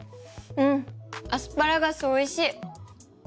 うんアスパラガスおいしい！